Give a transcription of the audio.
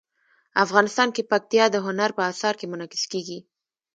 افغانستان کې پکتیا د هنر په اثار کې منعکس کېږي.